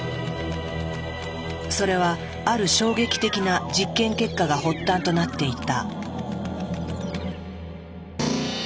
それはある衝撃的な実験結果が発端となっていた。